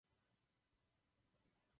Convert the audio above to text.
Nastala opravdová jatka.